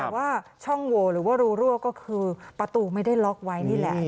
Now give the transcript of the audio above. แต่ว่าช่องโหวหรือว่ารูรั่วก็คือประตูไม่ได้ล็อกไว้นี่แหละ